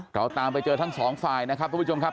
เราตามไปเจอทั้งสองฝ่ายนะครับทุกผู้ชมครับ